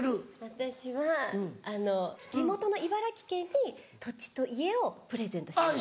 私は地元の茨城県に土地と家をプレゼントしました。